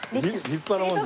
立派なものです。